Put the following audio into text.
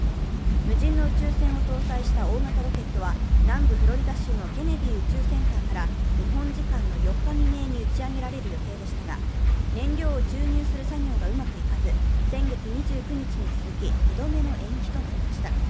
無人の宇宙船を搭載した大型ロケットは、南部フロリダ州のケネディ宇宙センターから日本時間の４日未明に打ちあげられる予定でしたが燃料を注入する作業がうまくいかず、先月２９日に続き、２度目の延期となりました。